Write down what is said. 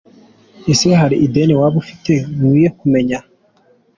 Ese hari ideni waba ufite nkwiye kumenya?.